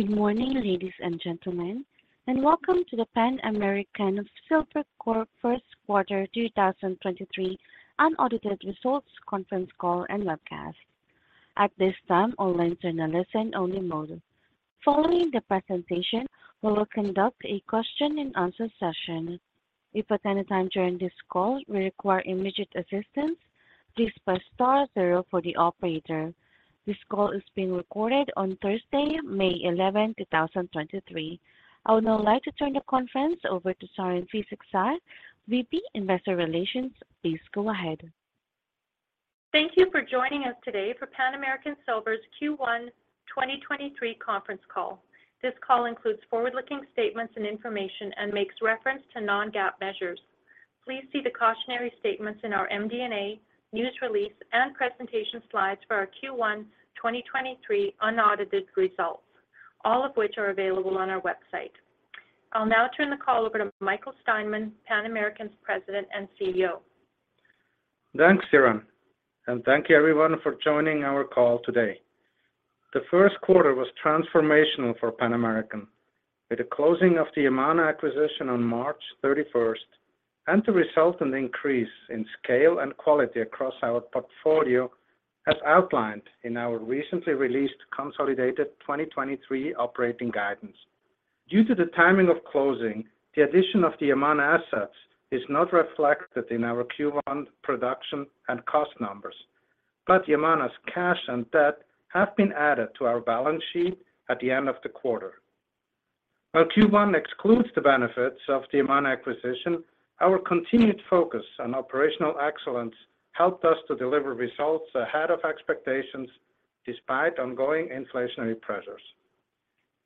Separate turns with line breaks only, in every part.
Good morning, ladies and gentlemen, and welcome to the Pan American Silver Corp. First Quarter 2023 Unaudited Results Conference Call and Webcast. At this time, all lines are in a listen-only mode. Following the presentation, we will conduct a question-and-answer session. If at any time during this call you require immediate assistance, please press star 0 for the operator. This call is being recorded on Thursday, May 11, 2023. I would now like to turn the conference over to Siren Fisekci, VP, Investor Relations. Please go ahead.
Thank you for joining us today for Pan American Silver's Q1 2023 conference call. This call includes forward-looking statements and information and makes reference to non-GAAP measures. Please see the cautionary statements in our MD&A, news release and presentation slides for our Q1 2023 unaudited results, all of which are available on our website. I'll now turn the call over to Michael Steinmann, Pan American's President and CEO.
Thanks, Siren. Thank you everyone for joining our call today. The first quarter was transformational for Pan American. With the closing of the Yamana acquisition on March 31st and the resultant increase in scale and quality across our portfolio, as outlined in our recently released consolidated 2023 operating guidance. Due to the timing of closing, the addition of the Yamana assets is not reflected in our Q1 production and cost numbers, but Yamana's cash and debt have been added to our balance sheet at the end of the quarter. While Q1 excludes the benefits of the Yamana acquisition, our continued focus on operational excellence helped us to deliver results ahead of expectations despite ongoing inflationary pressures.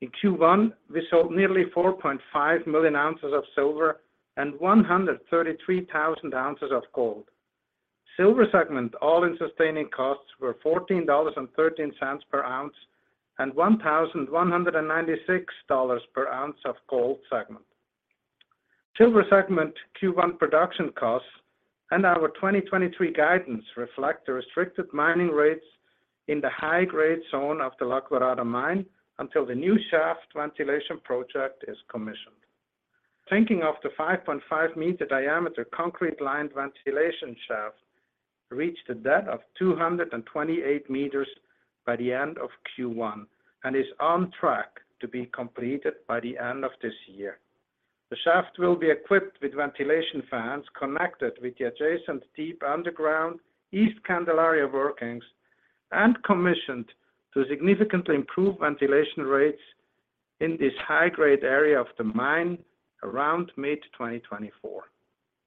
In Q1, we sold nearly 4.5 million ounces of silver and 133,000 ounces of gold. Silver segment all-in sustaining costs were $14.13 per ounce and $1,196 per ounce of gold segment. Silver segment Q1 production costs and our 2023 guidance reflect the restricted mining rates in the high-grade zone of the La Colorada mine until the new shaft ventilation project is commissioned. Sinking of the 5.5 meter diameter concrete-lined ventilation shaft reached a depth of 228 meters by the end of Q1 and is on track to be completed by the end of this year. The shaft will be equipped with ventilation fans connected with the adjacent deep underground East Candelaria workings and commissioned to significantly improve ventilation rates in this high-grade area of the mine around mid-2024.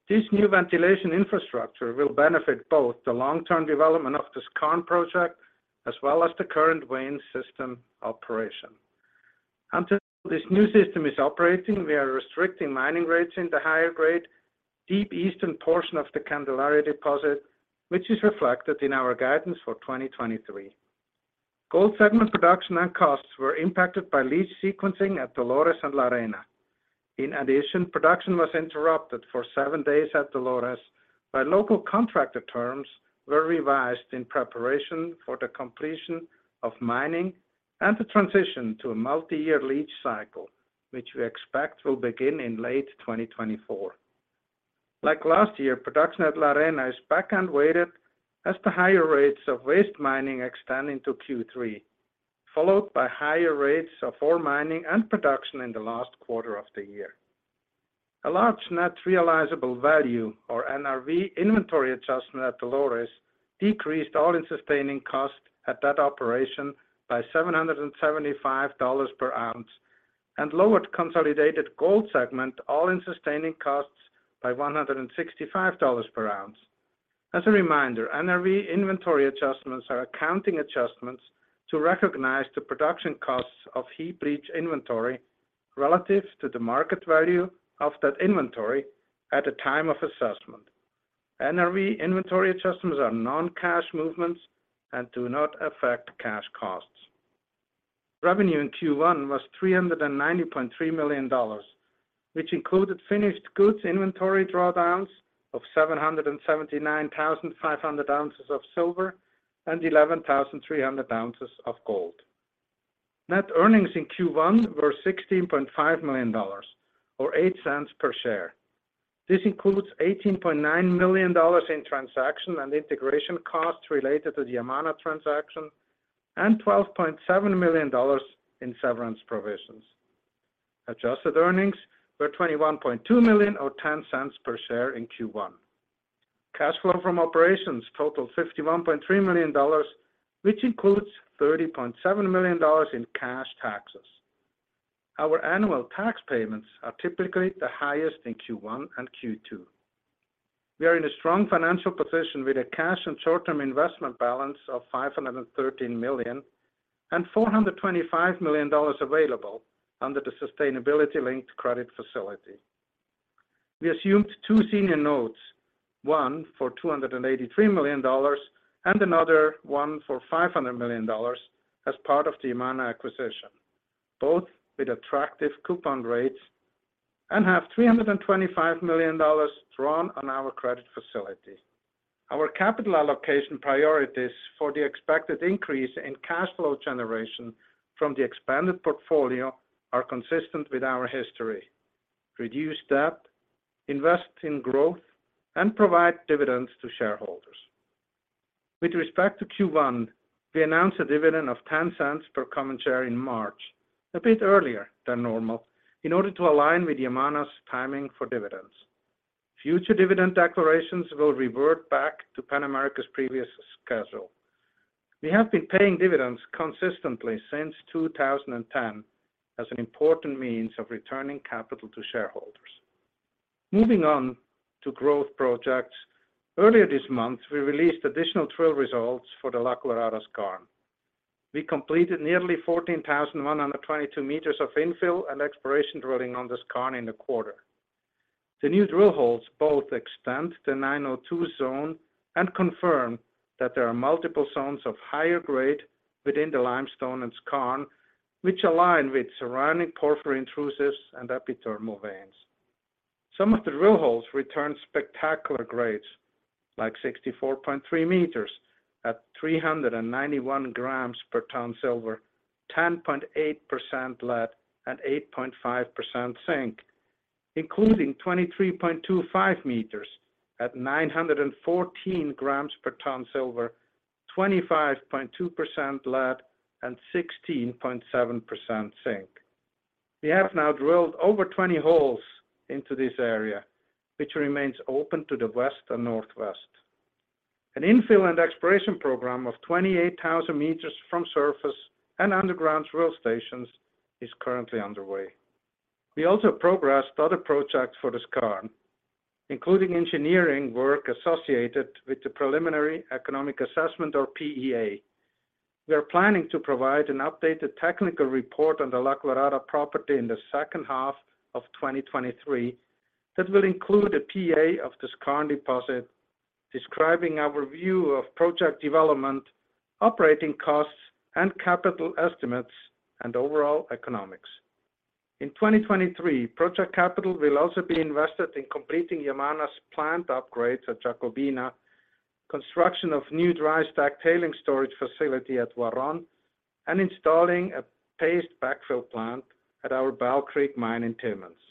This new ventilation infrastructure will benefit both the long-term development of the skarn project as well as the current vein system operation. Until this new system is operating, we are restricting mining rates in the higher-grade, deep eastern portion of the Candelaria deposit, which is reflected in our guidance for 2023. Gold segment production and costs were impacted by leach sequencing at Dolores and La Arena. Production was interrupted for seven days at Dolores while local contractor terms were revised in preparation for the completion of mining and the transition to a multi-year leach cycle, which we expect will begin in late 2024. Like last year, production at La Arena is back-end weighted as the higher rates of waste mining extend into Q3, followed by higher rates of ore mining and production in the last quarter of the year. A large net realizable value or NRV inventory adjustment at Dolores decreased all-in sustaining costs at that operation by $775 per ounce and lowered consolidated gold segment all-in sustaining costs by $165 per ounce. As a reminder, NRV inventory adjustments are accounting adjustments to recognize the production costs of heap leach inventory relative to the market value of that inventory at the time of assessment. NRV inventory adjustments are non-cash movements and do not affect cash costs. Revenue in Q1 was $390.3 million, which included finished goods inventory drawdowns of 779,500 ounces of silver and 11,300 ounces of gold. Net earnings in Q1 were $16.5 million or $0.08 per share. This includes $18.9 million in transaction and integration costs related to the Yamana transaction and $12.7 million in severance provisions. Adjusted earnings were $21.2 million or $0.10 per share in Q1. Cash flow from operations totaled $51.3 million, which includes $30.7 million in cash taxes. Our annual tax payments are typically the highest in Q1 and Q2. We are in a strong financial position with a cash and short-term investment balance of $513 million and $425 million available under the sustainability-linked credit facility. We assumed two senior notes, one for $283 million and another one for $500 million as part of the Yamana acquisition, both with attractive coupon rates. We have $325 million drawn on our credit facility. Our capital allocation priorities for the expected increase in cash flow generation from the expanded portfolio are consistent with our history. Reduce debt, invest in growth, and provide dividends to shareholders. With respect to Q1, we announced a dividend of $0.10 per common share in March, a bit earlier than normal, in order to align with Yamana's timing for dividends. Future dividend declarations will revert back to Pan American's previous schedule. We have been paying dividends consistently since 2010 as an important means of returning capital to shareholders. Moving on to growth projects. Earlier this month, we released additional drill results for the La Colorada Skarn. We completed nearly 14,122 meters of infill and exploration drilling on the skarn in the quarter. The new drill holes both extend the 902 zone and confirm that there are multiple zones of higher grade within the limestone and skarn, which align with surrounding porphyry intrusives and epithermal veins. Some of the drill holes return spectacular grades like 64.3 meters at 391 grams per ton silver, 10.8% lead, and 8.5% zinc, including 23.25 meters at 914 grams per ton silver, 25.2% lead, and 16.7% zinc. We have now drilled over 20 holes into this area, which remains open to the west and northwest. An infill and exploration program of 28,000 meters from surface and underground drill stations is currently underway. We also progressed other projects for the skarn, including engineering work associated with the preliminary economic assessment or PEA. We are planning to provide an updated technical report on the La Colorada property in the second half of 2023 that will include a PEA of the skarn deposit describing our view of project development, operating costs and capital estimates and overall economics. In 2023, project capital will also be invested in completing Yamana's plant upgrades at Jacobina, construction of new dry stack tailings storage facility at Huarón, and installing a paste backfill plant at our Bell Creek Mine in Timmins.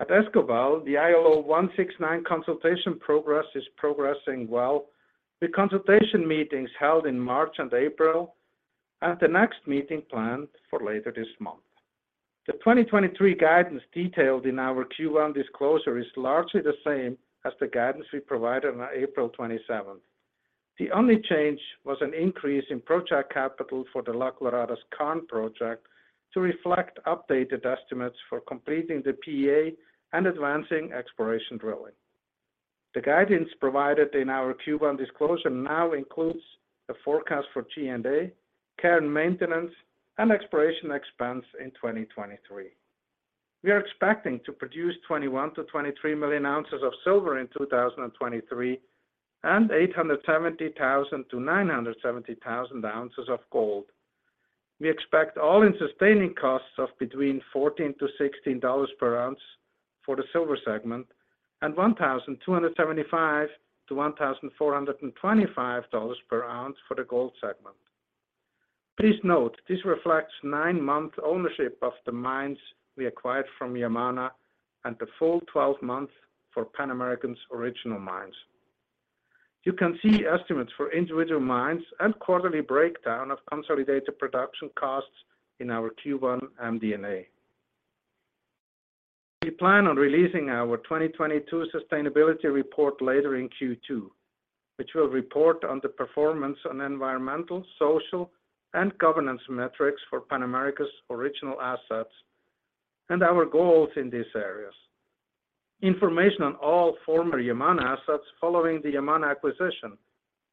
At Escobal, the ILO 169 consultation progress is progressing well with consultation meetings held in March and April, and the next meeting planned for later this month. The 2023 guidance detailed in our Q1 disclosure is largely the same as the guidance we provided on April 27th. The only change was an increase in project capital for the La Colorada Skarn project to reflect updated estimates for completing the PEA and advancing exploration drilling. The guidance provided in our Q1 disclosure now includes a forecast for G&A, care and maintenance, and exploration expense in 2023. We are expecting to produce 21 million-23 million ounces of silver in 2023 and 870,000-970,000 ounces of gold. We expect all-in sustaining costs of between $14-$16 per ounce for the silver segment and $1,275-$1,425 per ounce for the gold segment. Please note, this reflects nine-month ownership of the mines we acquired from Yamana and the full 12 months for Pan American's original mines. You can see estimates for individual mines and quarterly breakdown of consolidated production costs in our Q1 MD&A. We plan on releasing our 2022 sustainability report later in Q2, which will report on the performance on environmental, social, and governance metrics for Pan American's original assets and our goals in these areas. Information on all former Yamana assets following the Yamana acquisition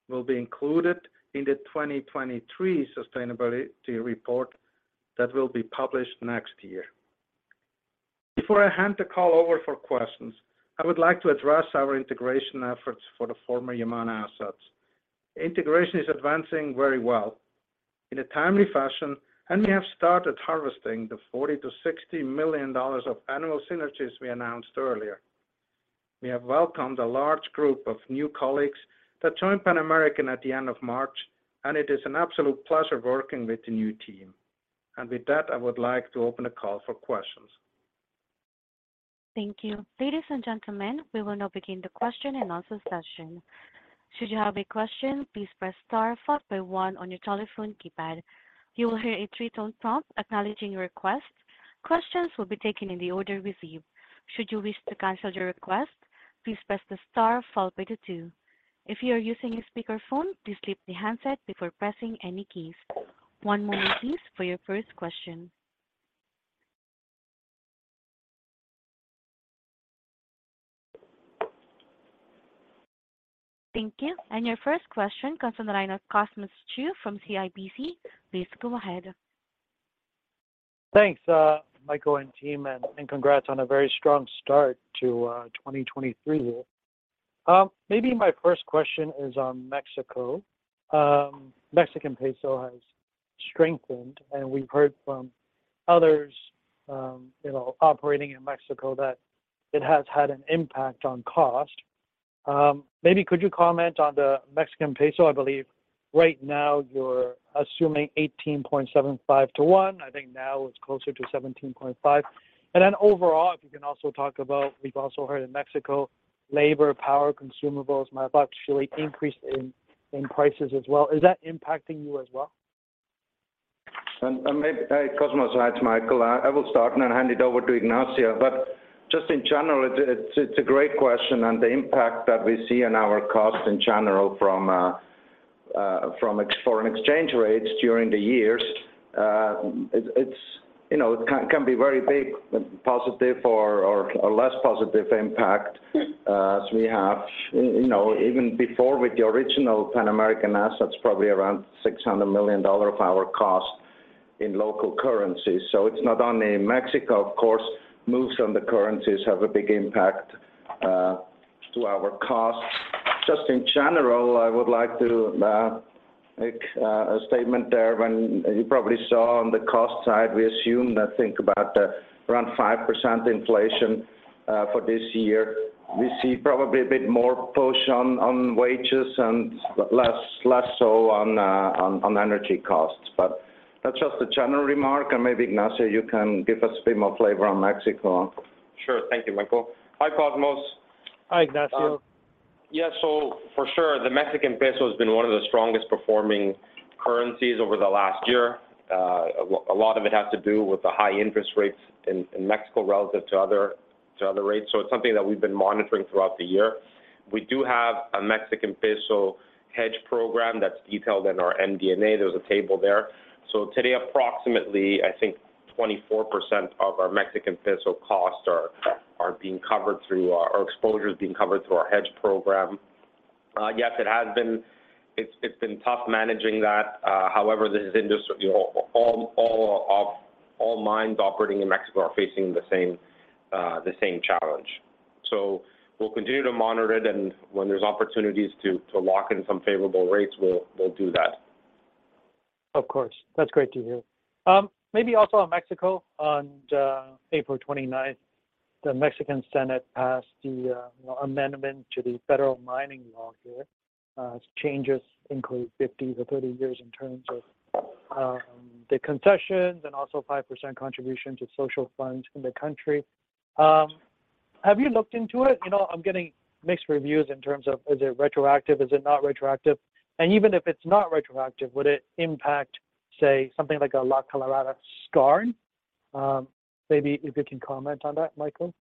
will be included in the 2023 sustainability report that will be published next year. Before I hand the call over for questions, I would like to address our integration efforts for the former Yamana assets. Integration is advancing very well in a timely fashion, we have started harvesting the $40 million-$60 million of annual synergies we announced earlier. We have welcomed a large group of new colleagues that joined Pan American at the end of March, and it is an absolute pleasure working with the new team. With that, I would like to open the call for questions.
Thank you. Ladies and gentlemen, we will now begin the question and answer session. Should you have a question, please press star followed by one on your telephone keypad. You will hear a three-tone prompt acknowledging your request. Questions will be taken in the order received. Should you wish to cancel your request, please press the star followed by the two. If you are using a speakerphone, please lift the handset before pressing any keys. One moment please for your first question. Thank you. Your first question comes on the line of Cosmos Chiu from CIBC. Please go ahead.
Thanks, Michael and team, and congrats on a very strong start to 2023. Maybe my first question is on Mexico. Mexican peso has strengthened, and we've heard from others, you know, operating in Mexico that it has had an impact on cost. Maybe could you comment on the Mexican peso? I believe right now you're assuming 18.75 to $ 1. I think now it's closer to 17.5. Overall, if you can also talk about, we've also heard in Mexico, labor, power, consumables may have actually increased in prices as well. Is that impacting you as well?
Hey, Cosmos. Hi, it's Michael. I will start and then hand it over to Ignacio. Just in general, it's a great question, and the impact that we see on our costs in general from foreign exchange rates during the years, it's, you know, it can be very big, positive or less positive impact, as we have. You know, even before with the original Pan American assets, probably around $600 million of our cost in local currencies. It's not only Mexico, of course, moves on the currencies have a big impact to our costs. Just in general, I would like to make a statement there. When you probably saw on the cost side, we assume I think about around 5% inflation for this year. We see probably a bit more push on wages and less so on energy costs. That's just a general remark, and maybe Ignacio, you can give us a bit more flavor on Mexico.
Sure. Thank you, Michael. Hi, Cosmos.
Hi, Ignacio.
Yeah, for sure the Mexican peso has been one of the strongest-performing currencies over the last year. A lot of it has to do with the high interest rates in Mexico relative to other rates. It's something that we've been monitoring throughout the year. We do have a Mexican peso hedge program that's detailed in our MD&A. There's a table there. Today, approximately, I think 24% of our Mexican peso costs are being covered through our, or exposures being covered through our hedge program. Yes, it has been. It's been tough managing that. However, this is industry. All mines operating in Mexico are facing the same challenge. We'll continue to monitor it, and when there's opportunities to lock in some favorable rates, we'll do that.
Of course. That's great to hear. Maybe also on Mexico, on April 29th, the Mexican Senate passed the, you know, amendment to the federal Mining Law there. Changes include 50-30 years in terms of, the concessions and also 5% contribution to social funds in the country. Have you looked into it? You know, I'm getting mixed reviews in terms of is it retroactive, is it not retroactive? Even if it's not retroactive, would it impact, say, something like a La Colorada Skarn? Maybe if you can comment on that, Michael.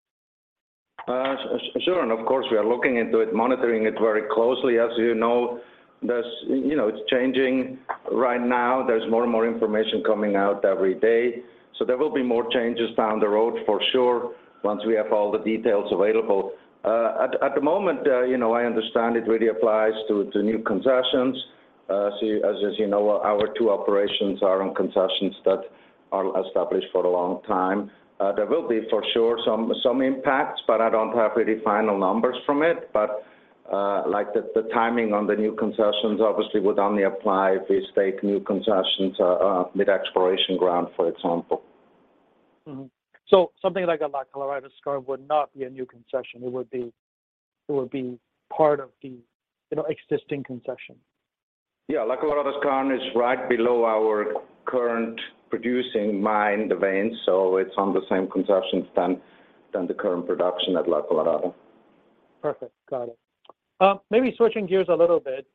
Sure, and of course, we are looking into it, monitoring it very closely. As you know, there's, you know, it's changing right now. There will be more and more information coming out every day, so there will be more changes down the road for sure once we have all the details available. At the moment, you know, I understand it really applies to new concessions. So as you know, our two operations are on concessions that are established for a long time. There will be, for sure, some impacts, but I don't have really final numbers from it. Like the timing on the new concessions obviously would only apply if we stake new concessions, mid exploration ground, for example.
Something like a La Colorada skarn would not be a new concession. It would be part of the, you know, existing concession.
Yeah. La Colorada skarn is right below our current producing mine, the veins, so it's on the same concessions than the current production at La Colorada.
Perfect. Got it. Maybe switching gears a little bit,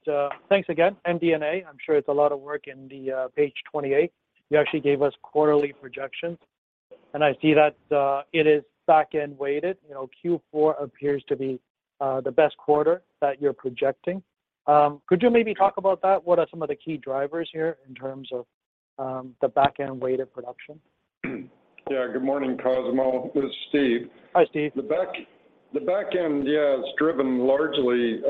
thanks again, MD&A, I'm sure it's a lot of work in the page 28. You actually gave us quarterly projections, I see that it is back-end weighted. You know, Q4 appears to be the best quarter that you're projecting. Could you maybe talk about that? What are some of the key drivers here in terms of the back-end weighted production?
Yeah. Good morning, Cosmo. This is Steve.
Hi, Steve.
The back end, yeah, is driven largely,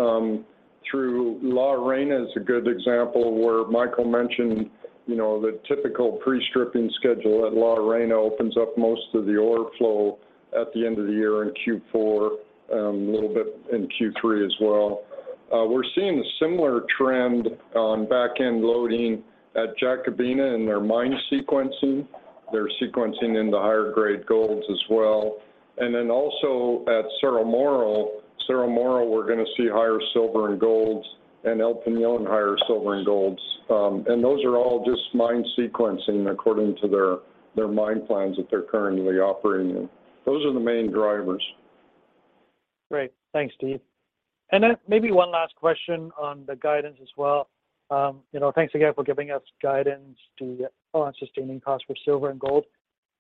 through La Arena is a good example, where Michael mentioned, you know, the typical pre-stripping schedule at La Arena opens up most of the ore flow at the end of the year in Q4, a little bit in Q3 as well. We're seeing a similar trend on back-end loading at Jacobina in their mine sequencing. They're sequencing into higher grade golds as well. Also at Cerro Moro, Cerro Moro we're gonna see higher silver and golds, El Peñón higher silver and golds. Those are all just mine sequencing according to their mine plans that they're currently operating in. Those are the main drivers.
Great. Thanks, Steve. Maybe one last question on the guidance as well. you know, thanks again for giving us guidance on sustaining costs for silver and gold.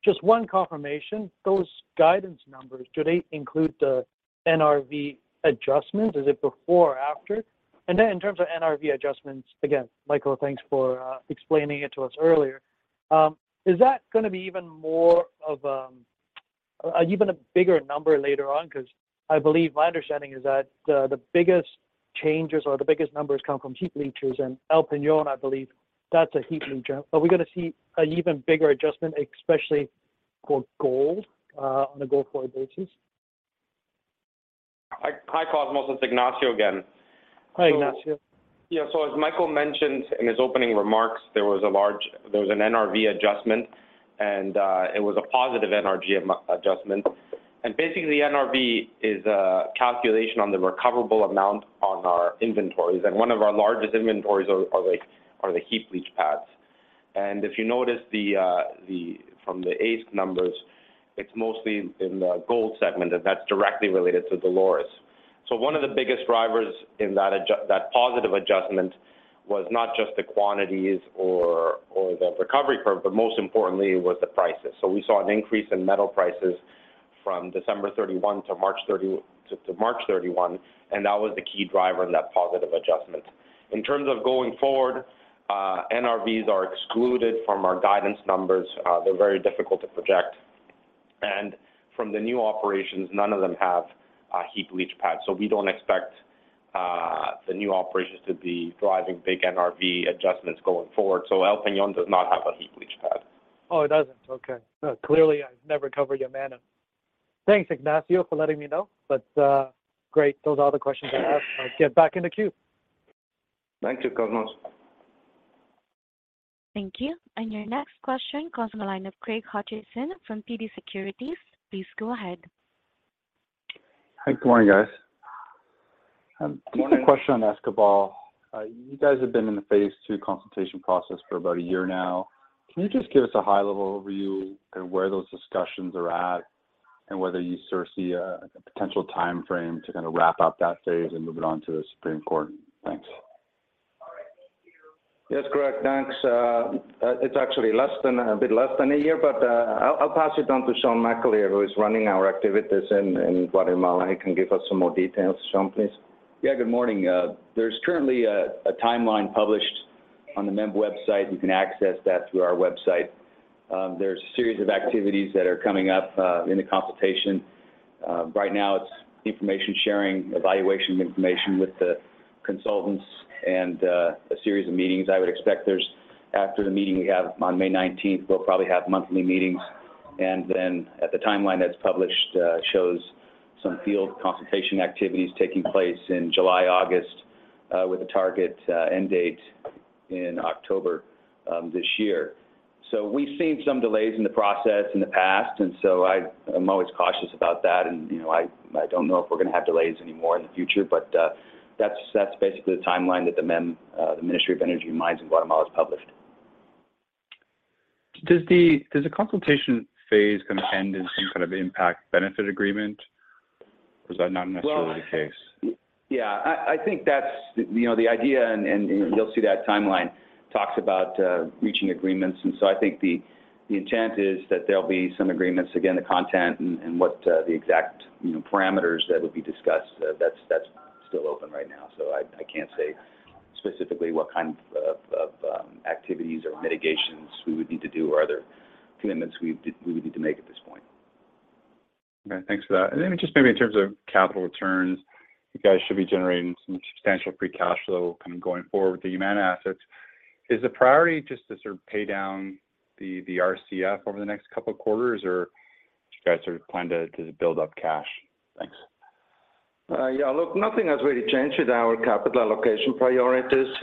Just one confirmation, those guidance numbers, do they include the NRV adjustment? Is it before or after? In terms of NRV adjustments, again, Michael, thanks for explaining it to us earlier, is that gonna be even more of even a bigger number later on? Because I believe my understanding is that the biggest changes or the biggest numbers come from heap leaches, and El Peñón, I believe that's a heap leach. Are we gonna see an even bigger adjustment, especially. For gold, on a go-forward basis.
Hi, Cosmos. It's Ignacio again.
Hi, Ignacio.
As Michael mentioned in his opening remarks, there was an NRV adjustment, and it was a positive NRV adjustment. Basically, NRV is a calculation on the recoverable amount on our inventories, and one of our largest inventories are the heap leach pads. If you notice from the AISC numbers, it's mostly in the gold segment, and that's directly related to Dolores. One of the biggest drivers in that positive adjustment was not just the quantities or the recovery curve, but most importantly, it was the prices. We saw an increase in metal prices from December 31 to March 31, and that was the key driver in that positive adjustment. In terms of going forward, NRVs are excluded from our guidance numbers. They're very difficult to project. From the new operations, none of them have a heap leach pad. We don't expect the new operations to be driving big NRV adjustments going forward. El Peñón does not have a heap leach pad.
Oh, it doesn't? Okay. No, clearly I've never covered Yamana. Thanks, Ignacio, for letting me know. Great. Those are all the questions I have. I'll get back in the queue.
Thank you, Cosmos.
Thank you. Your next question comes on the line of Craig Hutchison from TD Securities. Please go ahead.
Hi. Good morning, guys.
Good morning.
Just a question on Escobal. You guys have been in the phase two consultation process for about one year now. Can you just give us a high level overview of where those discussions are at and whether you sort of see a potential timeframe to kind of wrap up that phase and move it on to the Supreme Court? Thanks.
Yes, Craig. Thanks. It's actually less than, a bit less than a year, but, I'll pass it on to Sean McAleer, who is running our activities in Guatemala. He can give us some more details. Sean, please.
Yeah, good morning. There's currently a timeline published on the MEM website. You can access that through our website. There's a series of activities that are coming up in the consultation. Right now it's information sharing, evaluation of information with the consultants and a series of meetings. I would expect after the meeting we have on May 19th, we'll probably have monthly meetings. The timeline that's published shows some field consultation activities taking place in July, August, with a target end date in October this year. We've seen some delays in the process in the past, I'm always cautious about that and, you know, I don't know if we're gonna have delays anymore in the future. That's basically the timeline that the MEM, the Ministry of Energy and Mines in Guatemala has published.
Does the consultation phase gonna end in some kind of impact benefit agreement, or is that not necessarily the case?
Well, yeah. I think that's, you know, the idea and you'll see that timeline talks about reaching agreements. I think the intent is that there'll be some agreements. Again, the content and what the exact, you know, parameters that would be discussed, that's still open right now. I can't say specifically what kind of activities or mitigations we would need to do or other commitments we would need to make at this point.
Okay. Thanks for that. Just maybe in terms of capital returns, you guys should be generating some substantial free cash flow kind of going forward with the Yamana assets. Is the priority just to sort of pay down the RCF over the next couple of quarters, or do you guys sort of plan to build up cash? Thanks.
Yeah. Look, nothing has really changed with our capital allocation priorities.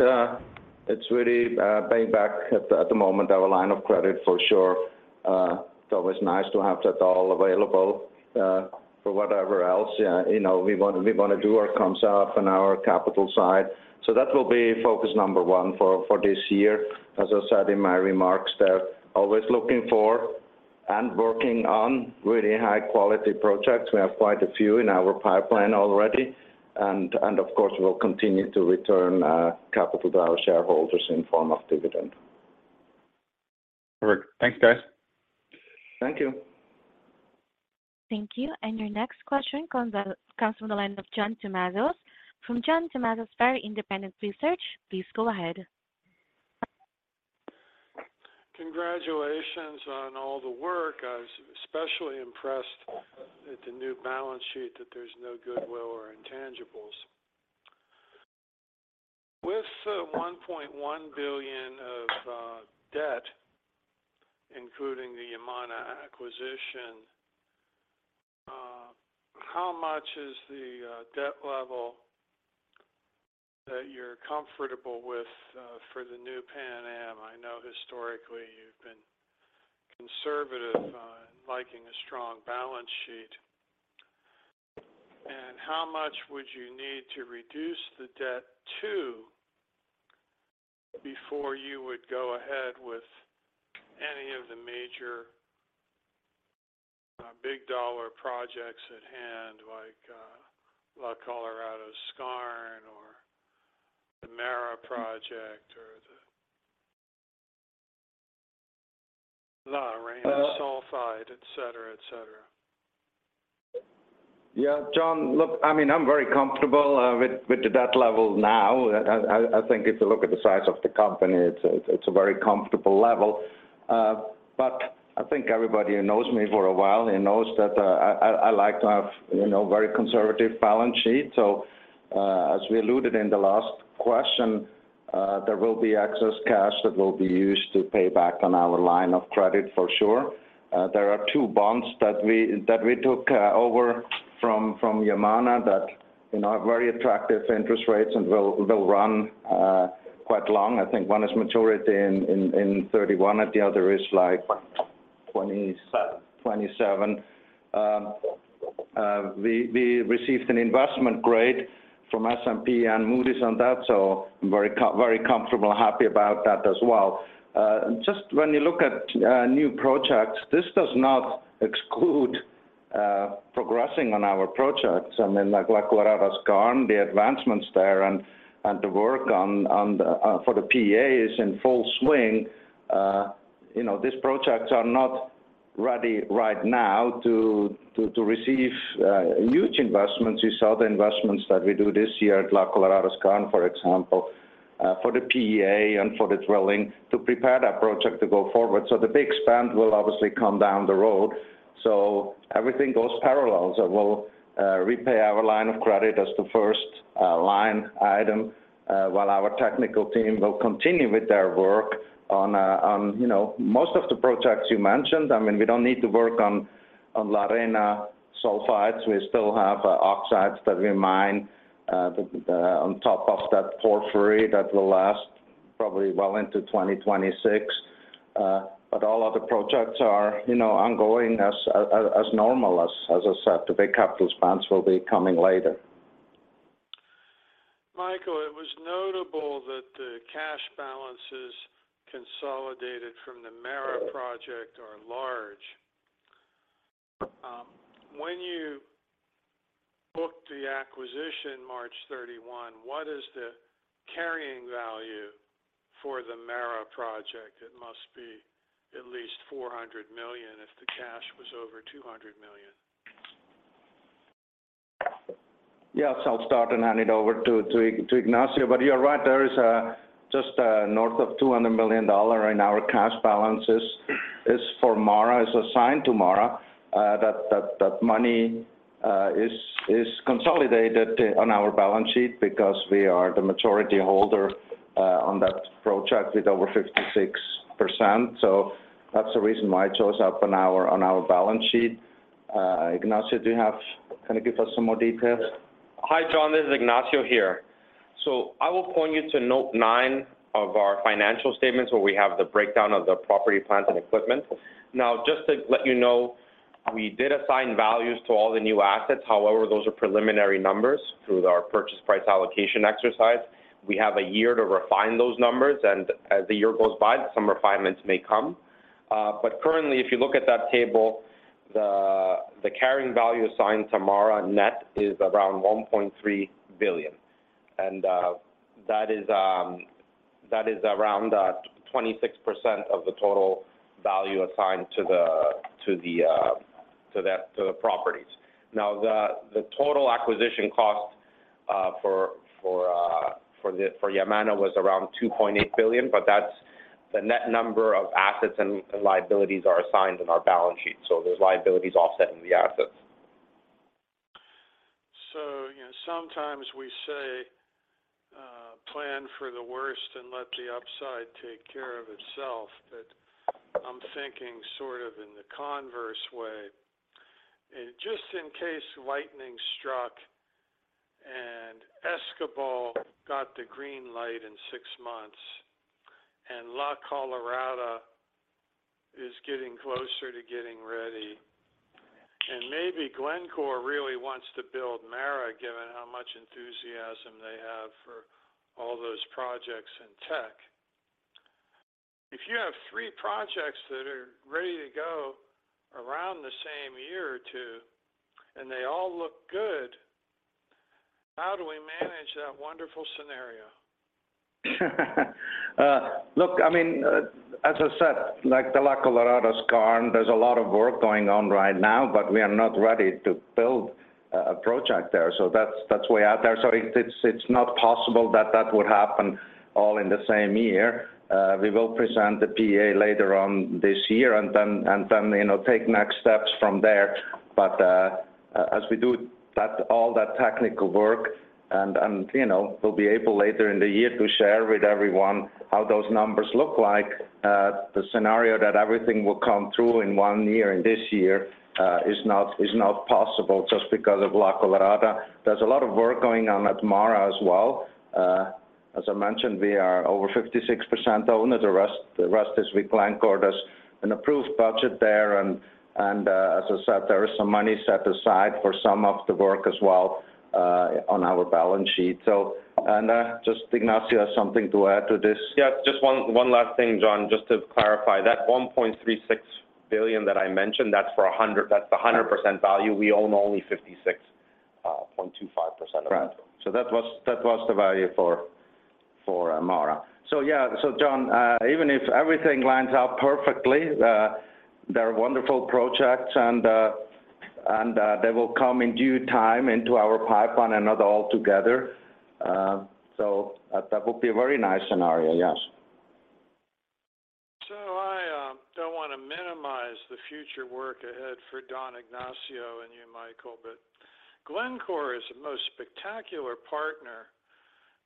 It's really paying back at the moment our line of credit for sure. It's always nice to have that all available for whatever else, you know, we wanna do or comes up on our capital side. That will be focus number one for this year. As I said in my remarks, they're always looking for and working on really high quality projects. We have quite a few in our pipeline already. Of course, we'll continue to return capital to our shareholders in form of dividend.
Perfect. Thanks, guys.
Thank you.
Thank you. Your next question comes from the line of John Tumazos from John Tumazos Very Independent Research. Please go ahead.
Congratulations on all the work. I was especially impressed at the new balance sheet that there's no goodwill or intangibles. With $1.1 billion of debt, including the Yamana acquisition, how much is the debt level that you're comfortable with for the new Pan Am? I know historically you've been conservative on liking a strong balance sheet. How much would you need to reduce the debt to before you would go ahead with any of the major big dollar projects at hand, like La Colorada Skarn or the MARA project or the La Arena sulfide, et cetera, et cetera?
John, look, I mean, I'm very comfortable with the debt level now. I think if you look at the size of the company, it's a very comfortable level. I think everybody who knows me for a while knows that I like to have, you know, very conservative balance sheet. As we alluded in the last question, there will be excess cash that will be used to pay back on our line of credit for sure. There are two bonds that we took over from Yamana that, you know, have very attractive interest rates and will run quite long. I think one is maturity in 2031 and the other is like 2027. We received an investment-grade from S&P and Moody's on that, so I'm very comfortable and happy about that as well. Just when you look at new projects, this does not exclude progressing on our projects. I mean, like La Colorada Skarn, the advancements there and the work on the for the PEA is in full swing. You know, these projects are not ready right now to receive huge investments. You saw the investments that we do this year at La Colorada Skarn, for example, for the PEA and for the drilling to prepare that project to go forward. The big spend will obviously come down the road. Everything goes parallels. We'll repay our line of credit as the first line item, while our technical team will continue with their work on, you know, most of the projects you mentioned. I mean, we don't need to work on La Arena sulfides. We still have oxides that we mine, the on top of that porphyry that will last probably well into 2026. All other projects are, you know, ongoing as normal. As I said, the big capital spends will be coming later.
Michael, it was notable that the cash balances consolidated from the MARA project are large. When you booked the acquisition March 31, what is the carrying value for the MARA project? It must be at least $400 million if the cash was over $200 million.
Yes, I'll start and hand it over to Ignacio. You're right, there is just north of $200 million in our cash balances is for MARA, is assigned to MARA. That money is consolidated on our balance sheet because we are the majority holder on that project with over 56%. That's the reason why it shows up on our balance sheet. Ignacio, can you give us some more details?
Hi, John, this is Ignacio here. I will point you to note nine of our financial statements where we have the breakdown of the Property, Plant and Equipment. Now, just to let you know, we did assign values to all the new assets. However, those are preliminary numbers through our purchase price allocation exercise. We have a year to refine those numbers, and as the year goes by, some refinements may come. Currently, if you look at that table, the carrying value assigned to MARA net is around $1.3 billion. That is around 26% of the total value assigned to the properties. The total acquisition cost for Yamana was around $2.8 billion, but that's the net number of assets and liabilities are assigned in our balance sheet. Those liabilities offsetting the assets.
You know, sometimes we say, plan for the worst and let the upside take care of itself. I'm thinking sort of in the converse way. Just in case lightning struck and Escobal got the green light in six months, and La Colorada is getting closer to getting ready, and maybe Glencore really wants to build MARA, given how much enthusiasm they have for all those projects in Teck. If you have three projects that are ready to go around the same year or two and they all look good, how do we manage that wonderful scenario?
Look, I mean, as I said, like the La Colorada Skarn, there's a lot of work going on right now. We are not ready to build a project there. That's, that's way out there. It's, it's not possible that that would happen all in the same year. We will present the PEA later on this year and then, you know, take next steps from there. As we do that, all that technical work and, you know, we'll be able later in the year to share with everyone how those numbers look like. The scenario that everything will come through in one year, in this year, is not possible just because of La Colorada. There's a lot of work going on at MARA as well. As I mentioned, we are over 56% owner. The rest is with Glencore. There's an approved budget there and, as I said, there is some money set aside for some of the work as well, on our balance sheet. Just Ignacio has something to add to this.
Yes. Just one last thing, John, just to clarify. That $1.36 billion that I mentioned, that's for 100% value. We own only 56.25% of it.
Right. That was the value for MARA. Yeah. John, even if everything lines up perfectly, they're wonderful projects and they will come in due time into our pipeline and not all together. That would be a very nice scenario, yes.
Future work ahead for Don, Ignacio, and you, Michael. Glencore is the most spectacular partner.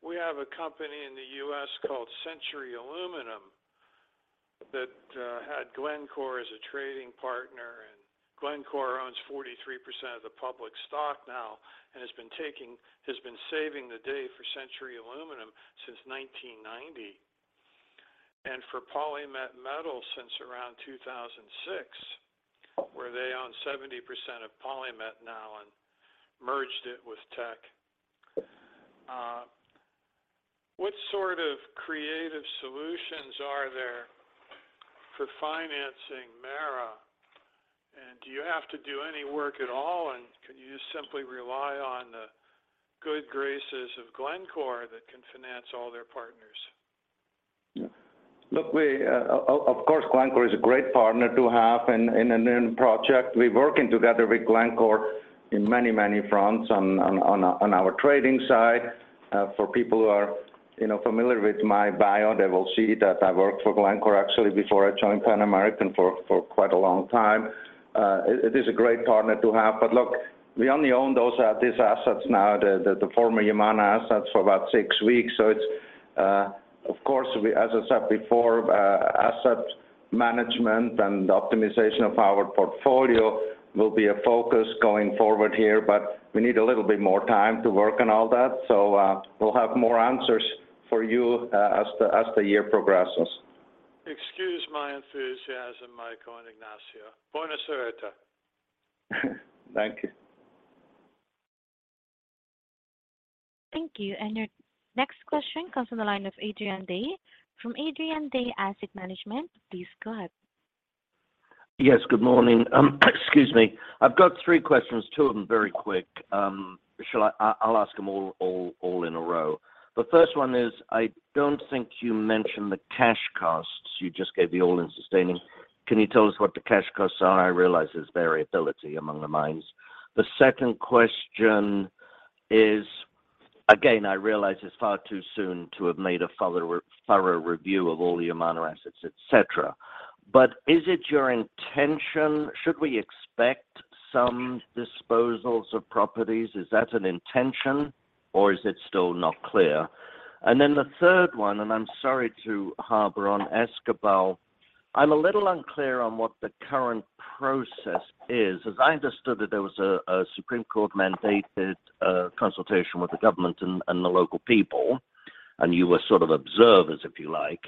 We have a company in the US called Century Aluminum that had Glencore as a trading partner, and Glencore owns 43% of the public stock now and has been saving the day for Century Aluminum since 1990. For PolyMet since around 2006, where they own 70% of PolyMet now and merged it with Teck. What sort of creative solutions are there for financing MARA? Do you have to do any work at all, and can you just simply rely on the good graces of Glencore that can finance all their partners?
Look, we, of course, Glencore is a great partner to have in a new project. We're working together with Glencore in many fronts on our trading side. For people who are, you know, familiar with my bio, they will see that I worked for Glencore actually before I joined Pan American for quite a long time. It is a great partner to have. Look, we only own those, these assets now, the former Yamana assets, for about six weeks. Of course, we, as I said before, asset management and optimization of our portfolio will be a focus going forward here, but we need a little bit more time to work on all that. We'll have more answers for you as the year progresses.
Excuse my enthusiasm, Michael and Ignacio. Buena suerte.
Thank you.
Thank you. Your next question comes from the line of Adrian Day from Adrian Day Asset Management. Please go ahead.
Yes, good morning. Excuse me. I've got three questions, two of them very quick. I'll ask them all in a row. The first one is, I don't think you mentioned the cash costs. You just gave the all-in sustaining. Can you tell us what the cash costs are? I realize there's variability among the mines. The second question is, again, I realize it's far too soon to have made a thorough review of all the Yamana assets, et cetera, is it your intention? Should we expect some disposals of properties? Is that an intention or is it still not clear? The third one, I'm sorry to harbor on Escobal, I'm a little unclear on what the current process is. As I understood it, there was a Supreme Court mandated consultation with the government and the local people, and you were sort of observers, if you like.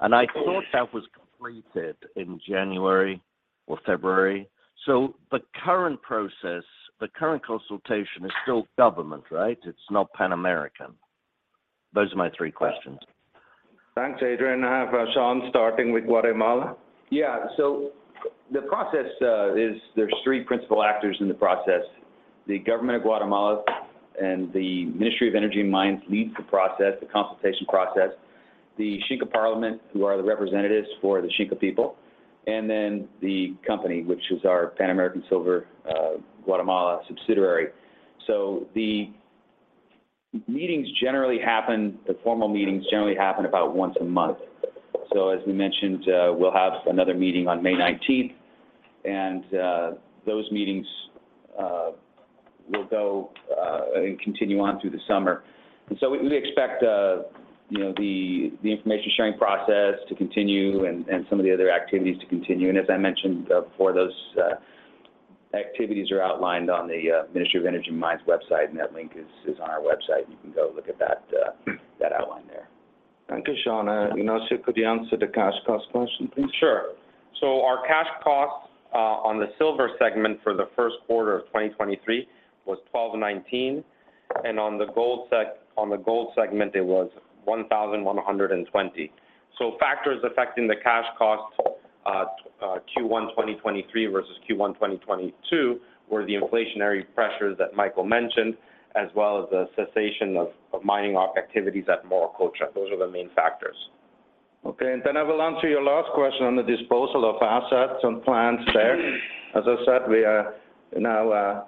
I thought that was completed in January or February. The current process, the current consultation is still government, right? It's not Pan American. Those are my three questions.
Thanks, Adrian. I have, Sean starting with Guatemala.
Yeah. The process is there's three principal actors in the process. The government of Guatemala and the Ministry of Energy and Mines leads the process, the consultation process, the Xinca Parliament, who are the representatives for the Xinca people, and then the company, which is our Pan American Silver Guatemala subsidiary. The formal meetings generally happen about once a month. As we mentioned, we'll have another meeting on May 19th, and those meetings will go and continue on through the summer. We expect, you know, the information sharing process to continue and some of the other activities to continue. As I mentioned before, those activities are outlined on the Ministry of Energy and Mines website, and that link is on our website. You can go look at that that outline there.
Thank you, Sean. Ignacio, could you answer the cash cost question, please?
Sure. Our cash costs on the silver segment for the first quarter of 2023 was $12.19, and on the gold segment, it was $1,120. Factors affecting the cash costs Q1 2023 versus Q1 2022 were the inflationary pressures that Michael mentioned, as well as the cessation of mining op activities at Morococha. Those are the main factors.
Okay. Then I will answer your last question on the disposal of assets and plans there. As I said, we are now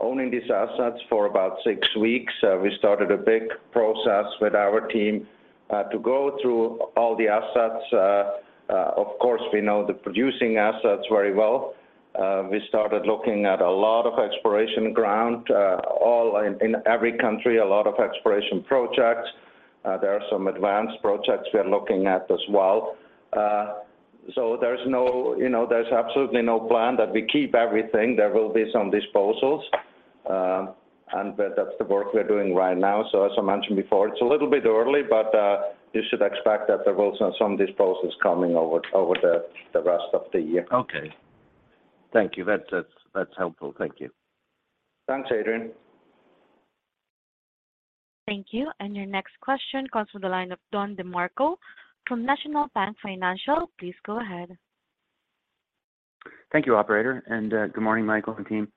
owning these assets for about six weeks. We started a big process with our team to go through all the assets. Of course, we know the producing assets very well. We started looking at a lot of exploration ground, all in every country, a lot of exploration projects. There are some advanced projects we are looking at as well. There's no, you know, there's absolutely no plan that we keep everything. There will be some disposals, and that's the work we're doing right now. As I mentioned before, it's a little bit early, but you should expect that there will some disposals coming over the rest of the year.
Okay. Thank you. That's helpful. Thank you.
Thanks, Adrian.
Thank you. Your next question comes from the line of Don DeMarco from National Bank Financial. Please go ahead.
Thank you, operator. Good morning, Michael and team.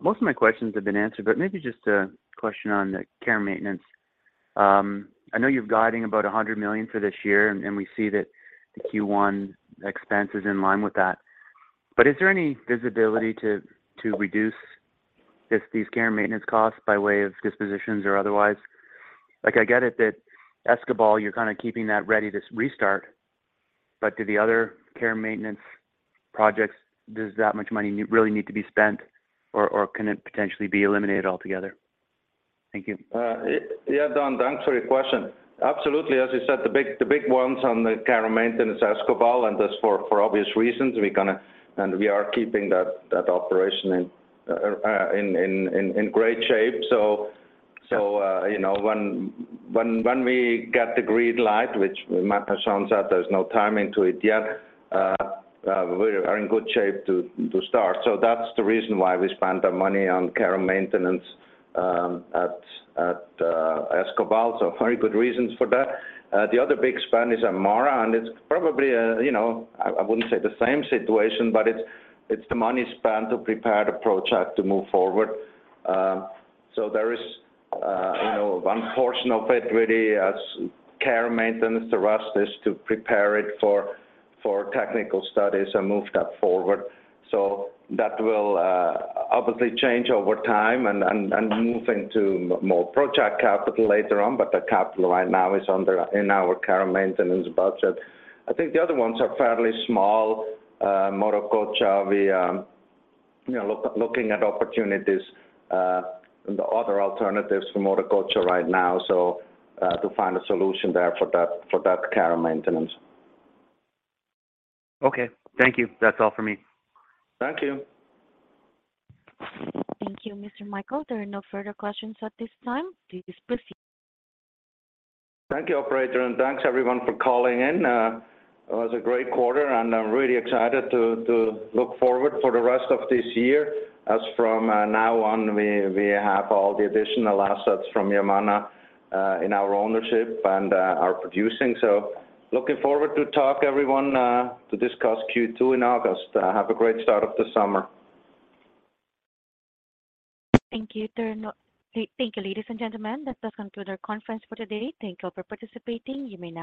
Most of my questions have been answered, but maybe just a question on the care maintenance. I know you're guiding about $100 million for this year, and we see that the Q1 expense is in line with that. Is there any visibility to reduce these care and maintenance costs by way of dispositions or otherwise? Like, I get it that Escobal, you're kind of keeping that ready to restart. Do the other care and maintenance projects, does that much money really need to be spent or can it potentially be eliminated altogether? Thank you.
Yeah, Don, thanks for your question. Absolutely. As you said, the big ones on the care and maintenance, Escobal, and that's for obvious reasons. We're gonna, and we are keeping that operation in great shape. You know, when we get the green light, which Matt has shown that there's no timing to it yet, we are in good shape to start. That's the reason why we spend our money on care and maintenance at Escobal, so very good reasons for that. The other big spend is MARA, and it's probably, you know, I wouldn't say the same situation, but it's the money spent to prepare the project to move forward. There is, you know, one portion of it really as care and maintenance. The rest is to prepare it for technical studies and move that forward. That will, obviously change over time and move into more project capital later on. The capital right now is under, in our care and maintenance budget. I think the other ones are fairly small. Morococha, we, you know, looking at opportunities, and the other alternatives for Morococha right now, so, to find a solution there for that care and maintenance.
Okay. Thank you. That's all for me.
Thank you.
Thank you, Mr. Michael. There are no further questions at this time. Please proceed.
Thank you, operator, and thanks everyone for calling in. It was a great quarter, and I'm really excited to look forward for the rest of this year. As from now on, we have all the additional assets from Yamana in our ownership and are producing. Looking forward to talk, everyone, to discuss Q2 in August. Have a great start of the summer.
Thank you. Thank you, ladies and gentlemen. That does conclude our conference for today. Thank you all for participating. You may now disconnect.